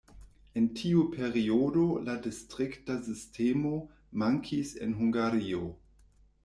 En tiu periodo la distrikta sistemo mankis en Hungario.